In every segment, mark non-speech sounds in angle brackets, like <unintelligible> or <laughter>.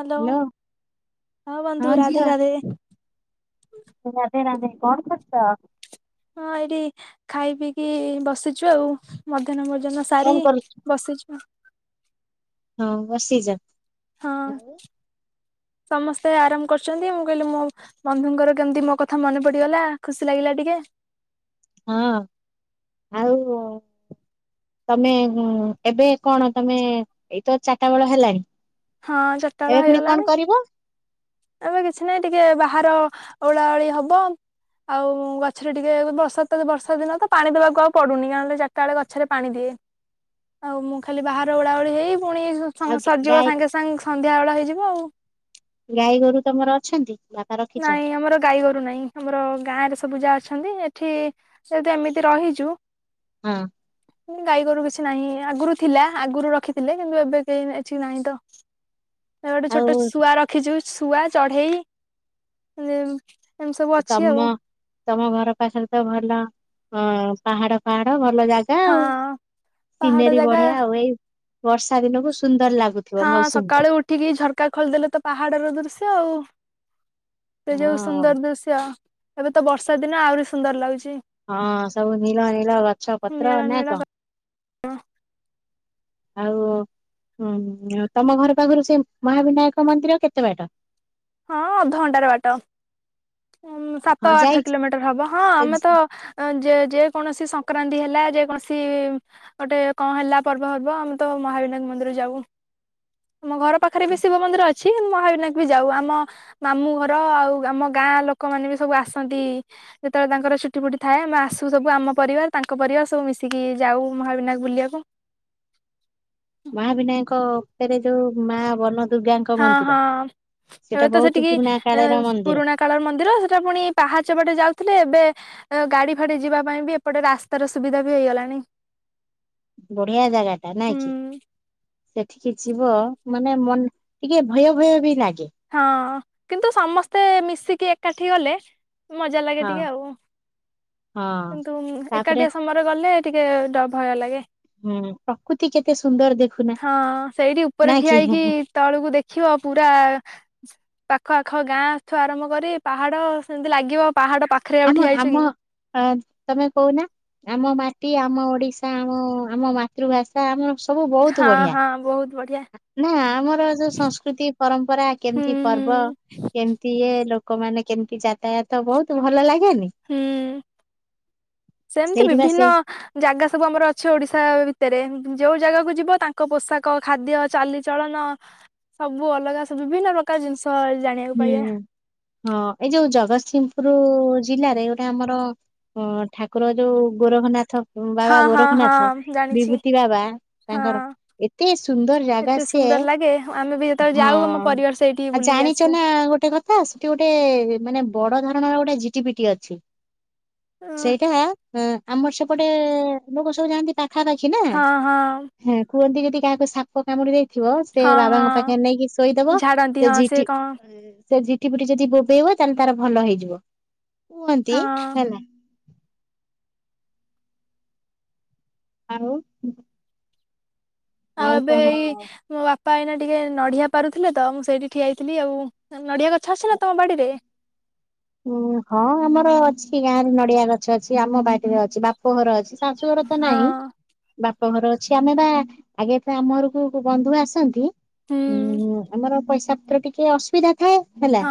Hello ହଁ ବନ୍ଧୁ ରାଧେ ରାଧେ। ରାଧେ ରାଧେ କଣ କରୁଛ। ହଁ ଏଇଠି ଖାଇ ପିଇକି ବସିଛୁ ଆଉ ମଧ୍ୟାହ୍ନ ଭୋଜନ। ସାରି କଣ କରୁଛୁ? ବସିଛୁ। ହଉ ବସିଚ। ହଁ ଆଉ। ସମସ୍ତେ ଆରାମ କରୁଛନ୍ତି ମୁଁ କହିଲି ମୁଁ ବନ୍ଧୁଙ୍କର କେମିତି ମୋ କଥା ମନେ ପଡିଗଲା ଖୁସି ଲାଗିଲା ଟିକେ। ହଁ ଆଉ। ତମେ ଏବେ କଣ ତମେ ଏଇତ ଚାରିଟା ବେଳ ହେଲାଣି। ହଁ ଚାରି ଟା ବେଳ ଏବେ ପୁଣି କଣ ହେଇଗଲାଣି। କରିବ? ଏବେ କିଛି ନହିଁ ଟିକେ ବାହାର ଓଳାଓଳି ହବ। ଆଉ ଗଛରେ ଟିକେ ବର୍ଷାତ ବର୍ଷା ଦିନ ତ ପାଣି ଦବାକୁ ଆଉ ପଡୁନି ନହେଲେ। <unintelligible> ସକାଳେ ଗଛରେ ପାଣି ଦିଏ ଆଉ ମୁଁ ଖାଲି ବାହାରେ ଓଳା ଓଳି ହେଇ ପୁଣି ଆଉ ସମୟ ଗା- ସରିଯିବ ଗାଈ ସାଙ୍ଗେ ସାଙ୍ଗେ ସନ୍ଧ୍ୟାବେଳ ହେଇଯିବ ଆଉ। ଗାଈ ଗୋରୁ ତମର ଅଛନ୍ତି। ରଖିଛନ୍ତି? ନାଇଁ ଆମର ଗାଈଗରୁ ନାହିଁ ଆମର ଗାଁ ରେ ସବୁ ଯାହା ଅଛନ୍ତି ଏଠି ଏମିତି ରହିଛୁ। ହଁ। ଗାଈଗୋରୁ କିଛି ନାହିଁ ଆଗରୁ ଥିଲା ଆଗରୁ ରଖିଥିଲେ କିନ୍ତୁ ଏବେ କେହି ଏଠି ନାହିଁ ତ। ଗୋଟେ ଆଉ ଛୋଟ ଶୁଆ ରଖିଛୁ ଶୁଆ ଚଢ଼େଇ। ତମ ତମ ଘର ପାଖରେ ତ ଭଲ ପାହାଡ ପାହାଡ ଭଲ ଜାଗା। ଜାଗା ହଁ ଆଉ ପାହାଡ ସିନେରୀ ଜାଗା ବଢ଼ିଆ ଆଉ ଏଇ ବର୍ଷା ଦିନକୁ ସୁନ୍ଦର ଲାଗୁଥିବ। ହଁ ମୌସୁମୀ ଟା ସକାଳୁ ଉଠିକି ଝରକା ଖୋଲିଦେଲେ ତ ପାହାଡର ଦୃଶ୍ୟ ଆଉ। ସେ ଯୋଉଁ ହଁ ସୁନ୍ଦର ଦୃଶ୍ୟ ଏବେ ତ ବର୍ଷା ଦିନ ଆହୁରି ସୁନ୍ଦର ଲାଗୁଛି। ହଁ ସବୁ ନୀଳ ନୀଳ ଗଛ ପତ୍ର ନୀଳ ନାଁ ନୀଳ କଣ। ଆଉଁ ତମ ଘର ପାଖରୁ ସେ ମହାବିନାୟକ ମନ୍ଦିର କେତେ ବାଟ? ହଁ ଅଧଘଣ୍ଟାରେ ବାଟ ସାତ ହଁ ଆଠ ଯାଇଛି। କିଲୋମିଟର ହବ। ହଁ ଆମେ ତ ଯେ ଯେ କୌଣସି ସଂକ୍ରାନ୍ତି ହେଲା ଯେକୌଣସି ଗୋଟେ କଣ ହେଲା ପର୍ବ ଫର୍ବ ଆମେ ତ ମହାବିନାୟକ ମନ୍ଦିର ଯାଉଁ। ଆମ ଘର ପାଖରେ ବି ଶିବ ମନ୍ଦିର ଅଛି ମହାବିନାୟ ବି ଯାଉ, ଆମ ଆମ ମାମୁଁ ଘର ଆଉ ଆମ ଗାଁ ଲୋକମାନେ ବି ସବୁ ଆସନ୍ତି। ଯେତେବେଳେ ତାଙ୍କର ଛୁଟି ଫୁଟି ଥାଏ ଆମେ ଆସୁ ସବୁ ଆମ ପରିବାର ତାଙ୍କ ପରିବାର ସବୁ ମିଶିକି ଯାଉ ମହାବିନାୟ ବୁଲିବାକୁ। ମାହାବିନାୟ କତରେ ଯୋଉଁ ମା ବନ। ଦୁର୍ଗାଙ୍କ ହଁ ମନ୍ଦିର। ସେଟା -ହଁ ଏ ତ ବହୁତ ସେଠିକି ପୁରୁଣା କାଳର ମନ୍ଦିର ପୁରୁଣା। କାଳର ମନ୍ଦିର ସେଟା ପୁଣି ପାହାଚ ବାଟେ ଯାଉଥିଲେ ଏବେ ଗାଡି ଫାଡି ଯିବା ପାଇଁ ବି ଏପଟେ ରାସ୍ତାର ସୁବିଧା ବି ହେଇଗଲାଣି। ବଢିଆ ଜାଗାଟା ନାଁ କି। ହୁଁ ସେଠିକି ଯିବ ମାନେ ମନ ଟିକେ ଭୟ ଭୟ ବି ଲାଗେ। ହଁ କିନ୍ତୁ ସମସ୍ତେ ମିଶିକି ଏକାଠି ଗଲେ। ମଜା ଲାଗେ ହଁ ଟିକେ ଆଉ ହଁ କିନ୍ତୁ ତାପରେ ଏକାଟିଆ ସମସ୍ତେ ସମସ୍ତେ ଗଲେ ଟିକେ ଡ ଭୟ ଲାଗେ। ହୁଁ ପ୍ରକୃତି କେତେ ସୁନ୍ଦର ଦେଖୁନା ହଁ ସେଇଠି ଉପରେ ନାଇଁ ଠିଆ କି ହେଇକି। ତଳକୁ ଦେଖିବ ପୁରା। ପାଖ ଆଖ ଗାଁଠୁଁ ଆରମ୍ଭ କରି ପାହାଡ଼ ସେମିତି ଲାଗିବ ପାହାଡ଼ ପାଖ ଆମ ଆମ ହଁ ତମେ କହୁନା ଆମ ମାଟି ଆମ ଓଡ଼ିଶା ଆମ ଆମ ମା ମାତୃଭାଷା ଆମର ସବୁ ବୋହୁତ୍ ହଁ ବଢ଼ିଆ। ହଁ ବୋହୁତ୍ ବଢ଼ିଆ। ନା ଆମର ଯୋଉଁ ସଂସ୍କୃତି ପରମ୍ପରା ହୁଁ କେମିତି ହୁଁ ପର୍ବ। କେମିତି ଇଏ ଲୋକମାନେ କେମିତି ଯାତାୟାତ ବୋହୁତ୍ ଭଲ ଲାଗେନି? ହୁଁ, ସେମିତି ସେଇଠି ବା ବିଭିନ୍ନ ସେ ଜାଗା ସବୁ ଆମର ଅଛି ଓଡ଼ିଶା ଭିତରେ ଯୋଉଁ ଜାଗାକୁ ଯିବ ତାଙ୍କ ପୋଷାକ, ଖାଦ୍ୟ ଚାଲିଚଳନ ସବୁ ଅଲଗା ସବୁ ବିଭିନ୍ନ ପ୍ରକାର ଜିନିଷ୍ ଷ ଜାଣିବା ହୁଁ ହଁ ଏଇ ଯୋଉଁ ଜଗତସିଂହପୁର ଜିଲ୍ଲାରେ ଗୋଟେ ଆମର। ହଁ ଠାକୁର ଯୋଉଁ ଗୋରଖନାଥ। ହଁ ବାବା ହଁ ଗୋରଖନାଥ ହଁ ଜାଣିଛି ବିଭୂତି ବାବା ହଁ ତାଙ୍କର ଏତେ ସୁନ୍ଦର ଜାଗା ଏତେ ସେ ସୁନ୍ଦର ଲାଗେ ଆମେ ବି ଯେତେବେଳେ ଯାଉ ଆମ ପରିବାର ସେଇଠି ଆଉ ବୁଲିକି ଆ ଜାଣିଛ ନାଁ ଗୋଟେ କଥା ସେଠି ଗୋଟେ ମାନେ ବଡ ଧରଣାର ଗୋଟେ ଝିଟିପିଟି ଅଛି। ଉଁ, ସେଇଟା ଆମର ସେପଟେ ଲୋକ ସବୁ ଯାଆନ୍ତି ପାଖାପାଖି ନାଁ। ହଁ -ହଁ। ହୁଁ କୁହନ୍ତି ଯଦି କାହାକୁ ସା ପୋକ କାମୁଡି ଦେଇଥିବ ସେ ହଁ ବାବାଙ୍କ ପାଖରେ ହଁ ନେଇକି ଶୋଇଦବ ଝାଡନ୍ତି ସେ ହଁ ଜିଟ୍ କଣ ସେ ଜିଠି ପିଠି ଯଦି ବୋବେଇବ ତାହେଲେ ତାର ଭଲ ହେଇଯିବ କୁହନ୍ତି ହଁ ହେଲା। ଆଉ। ଆଉ ଏବେ ଏଇ ମୋ ବା ପାଇଁ ନାଁ ଟିକେ ନଡ଼ିଆ ପାରୁଥିଲେ ତ ମୁଁ ସେଇଠି ଠିଆଇଥିଲି ଆଉ ନଡ଼ିଆ ଗଛ ଅଛି ନାଁ ତମ ବାଡିରେ? ଉଁ ହଁ ଆମର ଅଛି ଗାଁ ରେ ନଡିଆ ଗଛ ଅଛି, ଆମ ବାଟିରେ ଅଛି, ବାପଘର ଅଛି। ଶାଶୁ ଘର ତ ନାହିଁ ହଁ ବାପଘର ଅଛି ଆମେ ବା ଆଗେ ଏ ଆମ ଘରକୁ ବନ୍ଧୁ ଆସନ୍ତି ହୁଁ ହୁଁଁ ଆମର ପଇସା ପତ୍ର ଟିକେ ଅସୁବିଧା ଥାଏ ହେଲା ହଁ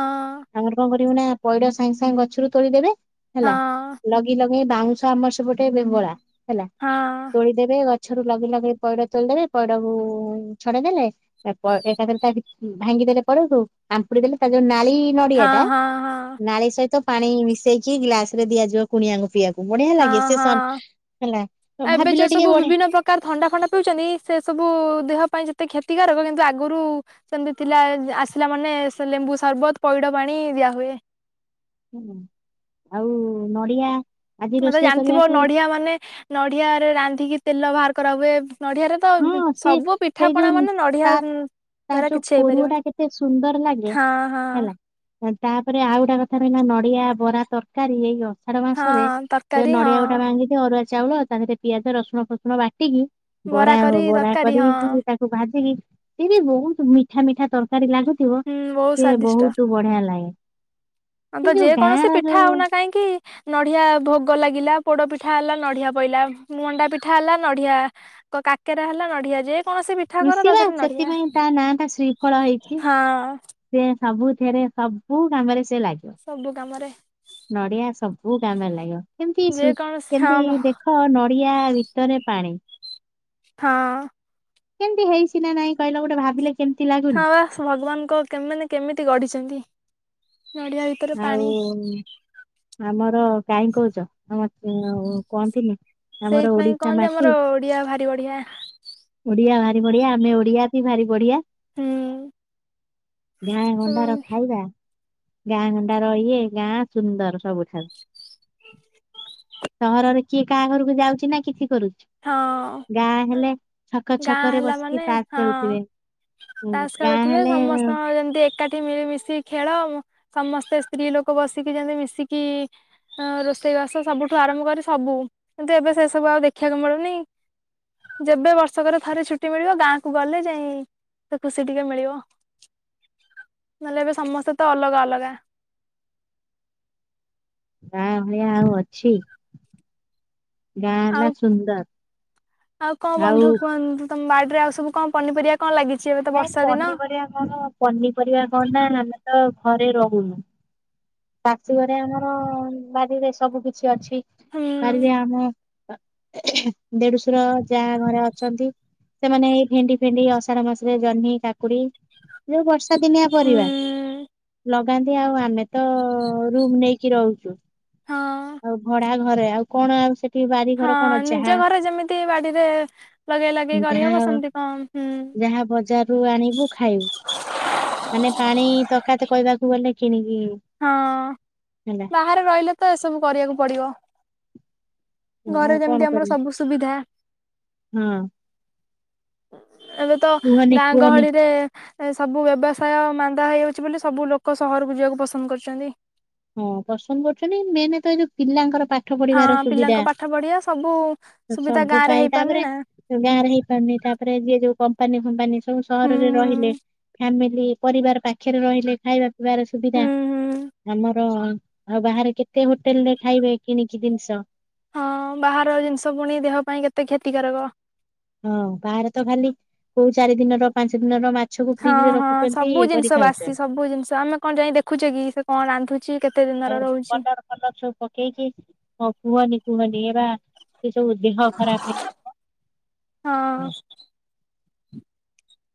ଆମର କଣ କରିବୁ ନା- ପଇଡ଼ ସାଙ୍ଗେ ସାଙ୍ଗେ ଗଛରୁ ତୋଳିଦେବେ ହେଲା ହଁ ଲଗି ଲଗ ଏ ବାଉଁଶ ଆମର ସେପଟେ ବିଙ୍ଗଳା ହେଲା ହଁ। ତୋଳିଦେବେ ଗଛରୁ ଲଗି ଲଗେଇ ପଇଡ ତୋଳିଦେବେ ପଇଡକୁ ଛଡେଇ ଦେଲେ ତା ଏକାଥରେ ତା ଭାଙ୍ଗିଦଲେ ପଇଡ କୁ ଆମ୍ପୁଡି ଦେଲେ ତା ଯୋଉ ନାଳି ନଡିଆ ହଁ ଟା ହଁ ହଁ ନାଳି ସହିତ ପାଣି ମିଶେଇକି ଗ୍ଲାସ ରେ ଦିଆଯିବ କୁଣିଆଙ୍କୁ ପିଇବାକୁ ବଢିଆ ଲାଗେ ହଁ ସେ ସନ୍ ହଁ ହେଲା ଭାବିଲ ଟିକେ ବଢିଆ କାରାର୍ ଥଣ୍ଡା ଫଣ୍ଡା ପିଉଛନ୍ତି ସେ ସବୁ ଦେହ ପାଇଁ ଯେତେ କ୍ଷତିକାରକ କିନ୍ତୁ ଆଗରୁ ସେମତି ଥିଲା ଆସିଲା ମାନେ ଲେମ୍ବୁ ସର୍ବତ ପଇଡ ପାଣି ଦିଆ ହଏ ହୁଁ ଆଉ ନଡ଼ିଆ ମ ତେ ଜାଣିଥିବ ନଡିଆ ମାନେ ନଡିଆରେ ରାନ୍ଧିକି ତେଲ ବାହାର କରା ହୁଏ ନଡିଆରେ ତ ହଁ ସେ ସବୁ ସେଇ ପିଠାପଣା ଯୋଉ ମାନେ ନଡିଆ ତା ତା ଯୋଉ କିଛି କୋରୁଅ ହେଇପାରିବନି ଟା କେତେ ସୁନ୍ଦର ଲାଗେ ହଁ ହଁ ହେଲା ତାପରେ ଆଉ ଗୋଟେ କଥା ରହିଲା ନଡିଆ ବରା ତରକାରୀ ଏଇ ହ ଆଷାଢ ହଁ ମାସରେ ତରକାରୀ ହଁ ନଡିଆ ଗୋଟା ଭାଙ୍ଗି ଥିବ ଅରୁଆ ଚାଉଳ ତାହରେ ପିଆଜ ରସୁଣ ଫସୁଣ ବାଟିକି ବରା ହ କରି ବରା ତରକାରୀ ହଁ କରିକି ତାକୁ ଭାଜିକି ସେ ବି ବହୁତ ମିଠା ମିଠା ତରକାରୀ ଲାଗୁଛି ଥିବ ହୁଁ ବହୁତ ସେ ସ୍ଵାଦିଷ୍ଟ ବହୁତ ବଢିଆ ଲାଗେ। ଆଁ ସେ ତ ଯୋଉ ଗାଁ ଯେକୌଣସି ର ପିଠା ହଉ ନା ଯୋଉ କାହିଁକି ନଡିଆ ଭୋଗ ଲାଗିଲା ପୋଡ ପିଠା ହେଲା ନଡିଆ ପଇଲା ମଣ୍ଡା ପିଠା ହେଲା ନଡିଆ କାକରେ ହେଲା ନଡିଆ ଯେ କୌଣସି ପିଠା କର ଋଷି ତା ବା ଦେହରେ ନଡିଆ ସେଥିପାଇଁ ତା ନାଁ ଟା ଶ୍ରୀଫଳ ହେଇଛି। ହଁ ସେ ସବୁଥିରେ ସବୁ କାମରେ ସେ ଲାଗିବ ସବୁ କାମରେ ନଡିଆ ସବୁ କାମରେ ଲାଗିବ କେମିତି ଯେକୌଣସି ହଁ କେମତି ଦେଖ ହଁ ନଡିଆ ଭିତରେ ପାଣି ହଁ। କେମିତି ହେଇଚି ନା ନାଇଁ କହିଲା ଗୋଟେ ଭାବିଲେ କେମିତି ଲାଗୁନି ହଁ ବାସ ଭଗବାନଙ୍କ କେ କେମିତି ଗଢିଛନ୍ତି ଗଢିବା ଆଉ ଆମର କାଇଁ କହୁଛ ଆମ କୁହନ୍ତିନି ଆମର ସେଇଥିପାଇଁ ଓଡିଶା କହନ୍ତି ମାଟି ଆମର ଓଡିଆ ଭାରି ବଢିଆ। ଓଡିଆ ଭାରି ବଢିଆ ଆମେ ଓଡିଆ ଭାରି ବଢିଆ ହୁଁ ଗାଁ ହଁ ଗଣ୍ଡାର ଖାଇବା ଗାଁ ଗଣ୍ଡା ର ଇଏ ଗାଁ ସୁନ୍ଦର ସବୁଠାରୁ। ସହରରେ କିଏ କାହା ଘରକୁ ଯାଉଛି ନା କିଛି କରୁଛି? ଗାଁ ହେଲେ ଛକ ଗାଁ ଛକ ରେ ହେଲା ବସିକି ମାନେ ତାସ ହଁ ଖେଳୁଥିବେ ହଁ ତାସ୍ ଗାଁ ଖେଳୁଥିବେ ହେଲେ ସମସ୍ତଙ୍କ ଯେମିତି ଏକାଠି ମିଳିମଶିକି ଖେଳ ସମସ୍ତେ ସ୍ତ୍ରୀ ଲୋକ ବସିକି ଯଦି ଯନ୍ତି ମିଶିକି ରୋଷେଇ ବାସ ସବୁଠୁ ଆରମ୍ଭ କରି ସବୁ କିନ୍ତୁ ଏବେ ସେ ସବୁ ଆଉ ଦେଖିବାକୁ ମିଳୁନି ଯେବେ ବର୍ଷକରେ ଥରେ ଛୁଟି ମିଳିବ ଗାଁକୁ ଗଲେ ଯାଇ ତ ଖୁସି ଟିକେ ମିଳିବ ନହେଲେ ଏବେ ସମସ୍ତେ ତ ଅଲଗା ଅଲଗା ନା ଭଇଆ ଆଉ ଅଛି ଗାଁ ହେଲା ଆଉ ସୁନ୍ଦର କଣ ବନ୍ଧୁ ଆଉ କୁହନ୍ତୁ ତମ ବାଡ଼ିରେ ଆଉ ସବୁ କଣ ପନିପରିବା କଣ ଲାଗିଛି ଏବେ ତ ନାଇଁ ବର୍ଷା ଦିନ <unintelligible> ପନିପରିବା କଣ ନା ଆମେ ତ ଘରେ ରହୁନୁ। ଶାଶୁ ଘରେ ଆମର ବାରିରେ ସବୁ କିଛି ଅଛି ହୁଁ ବାରିରେ ଆମ ଦେଢଶର ଯାହା ଘରେ ଅଛନ୍ତି। ସେମାନେ ଏଇ ଭେଣ୍ଡି ଫେଣ୍ଡି ଅଷାଢ଼ ମାସରେ ଜହ୍ନି କାକୁଡି ଯୋଉ ବର୍ଷା ଦିନିଆ ପରିବା ହୁଁ ଲଗାନ୍ତି ଆଉ ଆମେ ତ ରୁମ ନେଇକି ରହୁଛୁ। ହଁ ଆଉ ଭଡା ଘରେ ଆଉ କଣ ଆଉ ସେ ହଁ ନିଜ ଘରେ ଯେମିତି ବାଡିରେ ଲଗେଇ ଲଗେଇ ଯାହା କରିହବ ସେମତି କଣ? ହୁଁ ଯାହା ବଜାର ରୁ ଆଣିବୁ ଖାଇବୁ ମାନେ ପାଣି ତରକାାତ କହିବାକୁ ଗଲେ କିଣିକି ହଁ। ହେଲା। ବାହାରେ ରହିଲେ ତ ଏସବୁ କରିବାକୁ ପଡିବ। ଘରେ ଆଉ କଣ ଯେମିତି ଆମର କରିବି ସବୁ ସୁବିଧା। ହଁ। ଏବେ ତ କୁହନି ଗାଁ କୁହନି ଗହଳିରେ ଏ ସବୁ ବ୍ୟବସାୟ ମାନ୍ଦା ହେଇଯାଉଛି ବୋଲି ସବୁ ଲୋକ ସହରକୁ ଯିବାକୁ ପସନ୍ଦ କରୁଛନ୍ତି। ହଁ ପସନ୍ଦ କରୁଛନ୍ତି ମେନେ ତ ଏ ଯଉ ପିଲାଙ୍କର ପାଠ ହଁ ପଢିବାର ସୁବିଧା ପିଲାଙ୍କ ପାଠ ପଢିବା ସବୁ ସୁବିଧା ସବୁ ଗାଁ ରେ ପାଇଁ ହେଇପାରୁନି ତାପରେ ନା ଗାଁ ରେ ହେଇପାରୁନି ତାପରେ ଯିଏ ଯୋଉ କମ୍ପାନୀ ଫମ୍ପାନୀ ସବୁ ହୁଁ ସହରରେ ରହିଲେ ହୁଁ ଫ୍ୟାମିଲି ପରିବାର ପାଖରେ ରହିଲେ ଖାଇବା ପିଇବାର ସୁବିଧା। ହୁଁ ହୁଁ ଆମର ଆ ବାହାରେ କେତେ ହୋଟେଲ ରେ ଖାଇବେ କିଣିକି ଜିନିଷ। ହଁ ବାହାର ଜିନିଷ ପୁଣି ଦେହ ପାଇଁ କେତେ କ୍ଷତିକାରକ। ହଁ ବାହାରେ ତ ଖାଲି କୋଉ ଚାରି ଦିନର ପାଞ୍ଚ ଦିନର ମା ହଁ ହଁ ସବୁ ଜିନିଷ ବାସି ସବୁ ଜିନିଷ ଆମେ କଣ ଯାଇ ଦେଖୁଛେ କି ସେ କଣ ରାନ୍ଧୁଛି କେତେ ଦି ଆଉ କଲର ଫାଲର ସବୁ ପକେଇଛି ମୋ କୁହନି କୁହନି ଏ ବା ସେ ସବୁ ଦେହ ଖରାପ। ହଁ।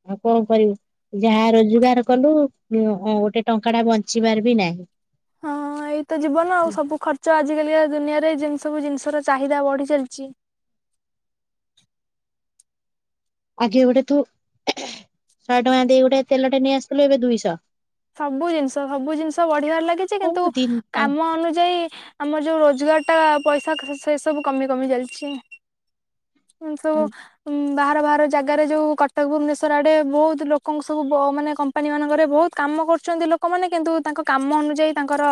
ଆଉ କଣ କରିବୁ ଯାହା ରୋଜଗାର କଲୁ ଗୋଟେ ଟଙ୍କା ଟା ବଞ୍ଚିବାର ବି ନାହିଁ। ହଁ ହ ଏଇତ ଜୀବନ ଆଉ ସବୁ ଖର୍ଚ୍ଚ ଆଜିକାଲି ଦୁନିଆରେି ସବୁ ଜିନିଷ ର ଚାହିଦା ବଢି ଚାଲିଛି। ଆଗ ଗୋଟେ ତୁ ଶହେ ଟଙ୍କା ଦେଇ ଗୋଟେ ତେଲଟେ ନେଇଆସିଥିଲୁ ଏବେ ଦୁଇଶହ। ସବୁ ଜିନିଷ ସବୁ ଜିନିଷ ବଢିବାର ଲାଗିଛି କିନ୍ତୁ କୋଉ ଦିନ କାମ ଅନୁଯାୟୀ ଆମର ଯୋଉ ରୋଜଗାର ଟା ପଇସା ସେ ସବୁ କମି କମି ଚାଲିଛି। ହୁ ତ ଉ ବାହାର ବାହାର ଜାଗାରେ ଯେଉଁ କଟକ ଭୁବନେଶ୍ୱର ଆଡ଼େ ବହୁତ ଲୋକଙ୍କ ସବୁ ମାନେ କମ୍ପାନୀମାନାନଙ୍କରେ ବହୁତ କାମ କରୁଛନ୍ତି ଲୋକମାନେ କିନ୍ତୁ ତାଙ୍କ କାମ ଅନୁଯାୟୀ ତାଙ୍କର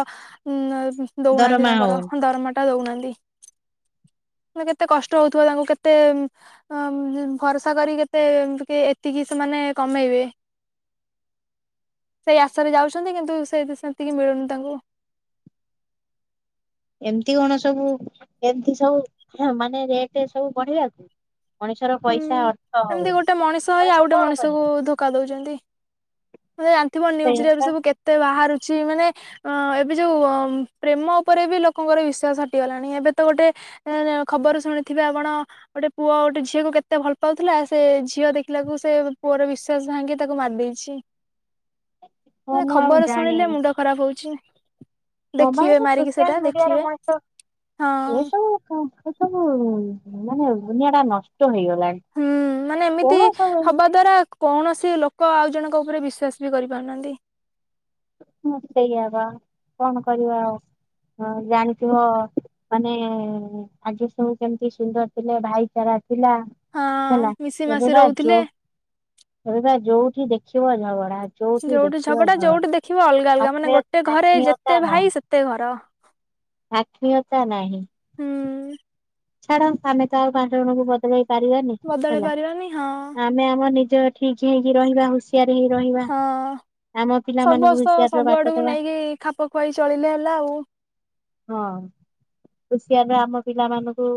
ଉ ଦଉନାହାନ୍ତି ଦରମା ତାଙ୍କର ହଉନି ଦରମାଟା ଦଉନାହାନ୍ତି। ମ କେତେ କଷ୍ଟ ହଉଥିବା ତାଙ୍କୁ କେତେ ଅ ଭରସା କରି କେତେ ଏତିକି ସେମାନେ କମେଇବେ। ସେଇ ଆସରେ ଯାଉଛନ୍ତି କିନ୍ତୁ ସେ ସେତିକି ମିଳୁନି ତାଙ୍କୁ। ଏମତି କଣ ସବୁ ଏମତି ସବୁ ମାନେ ରେଟ ସବୁ ବଢେଇିବାକୁ। ମଣିଷର ପଇସା ହୁଁ। ଅର୍ଥ ହଉନି ମଣିଷ କଣ କରିବ। ଧୋକ ଦଉଛନ୍ତି ତମେ ଜାଣିଥିବ ସେଇଆ ନିଉଜରେ ପା ସବୁ କେତେ ବାହାରୁଛି ମାନେ ଅ ଏବେ ଯୋଉ ପ୍ରେମ ଉପରେ ବି ଲୋକଙ୍କର ବିଶ୍ଵାସ ହଟିଗଲାଣି ଏବେ ତ ଗୋଟେ ଖବରରୁ ଶୁଣିଥିବେ ଆପଣ ଗୋଟେ ପୁଅ ଗୋଟେ ଝି ଝିଅକୁ କେତେ ଭଲ ପାଉଥିଲା ସେ ଝିଅ ଦେଖିଲାକୁ ସେ ପୁଅର ବିଶ୍ଵାସ ଭାଙ୍ଗି ତାକୁ ମାରି ଦେଇେଇଛି। ହଁ ମ ମୁଁ ଆଉ ଖବର ଶୁଣିଲେ ଜାଣିନି ମୁଣ୍ଡ ଖରାପ ହଉଛି। ଦେଖିବେ ମୋବାଇଲ ମାରିକି ସେଟା ସୋସିଆଲ ମିଡିଆରେ ଦେଖିବେ ମଣିଷ ହଁ ଏସବୁ ସବୁ ମାନେ ଦୁନିଆ ଟା ନଷ୍ଟ ହେଇଗଲାଣି। ହୁଁ ମାନେ କଣ ଏମିତି ସବୁ ଏମିତି ହବା ଦ୍ଵାରା କୌଣସି ଲୋକ ଆଉ ଜଣଙ୍କ ଉପରେ ବିଶ୍ଵାସ ବି କରିପାରୁନାହାନ୍ତି। ହଁ ସେଇଆ ପା କଣ କରିବା ଆଉହଁ ଜାଣିଥିବ ମାନେ ଆଜି ସବୁ କେମିତି ସୁନ୍ଦର ଥିଲେ ଭାଇଚାରା ଥିଲା ହଁ ହେଲା ମିଶି ଏବେ ମାସି ବା ରହୁଥିଲେ। ଯୋଉ ଏବେ ବା ଯୋଉଠି ଦେଖିବ ଝଗଡା ଯୋଉଠି ଝଗଡା ଯୋଉଠି ଦେଖିବ ଅଲଗା ଅଲଗା ମାନେ ଆତ୍ମୀୟ ଗୋଟେ ଘରେ ଆତ୍ମୀୟତା ଯେତେ ଭାଇ ସେତେ ଘର। ଆତ୍ମିୀୟତା ନାହିଁ। ହୁଁ। ଛାଡ ଆମେ ତ ଆଉ ପାଞ୍ଚ ଜଣଙ୍କୁ ବଦଳେଇ ପାରିବାନି ବଦଳେଇ ହେଲା। ପାରିବାନି ହଁ ଆମେ ଆମ ନିଜ ଠିକ ହେଇକି ରହିବା ହୁସିିଆରେ ହେଇ ରହିବା। ଆମ ପିଲାମାନଙ୍କୁ ଅବଶ୍ୟ ହୁସିଆର ର ସବୁ ବାଟ ଆଡକୁ ଦେବା ନେଇକି ଖାପ ଖୁଆଇ ଚଳିଲେ ହେଲା ଆଉ। ହଁ ପୁଷିଆପାଇଁ ଆମ ପିଲା ମାନଙ୍କୁ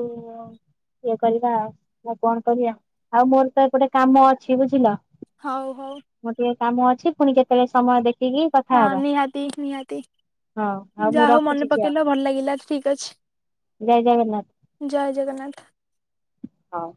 ଇଏ କରିବା ଆଉ ଆ କଣ କରିବା ଆଉ ମୋର ତ ଏପଟେ କାମ ଅଛି ବୁଝିଲ? ହଉ ହଉ। ମୋର ଟିକେ କାମ ଅଛି ପୁଣି କେତେବେଳେ ସମୟ ଦେଖିକି ହଁ କଥା ହବା ନିହାତି ନିହାତି ହଁ ଆଉ ଯାହା ମୁଁ ହଉ ମନେ ରଖୁଛି ଝିଅ ପକେଇଲ ଭଲ ଲାଗିଲା ଠିକ ଅଛି। ଜୟ ଜଗନ୍ନାଥ। ଜୟ ଜଗନ୍ନାଥ। ହଁ